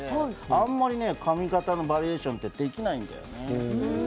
髪形のバリエーションってできないんですよね。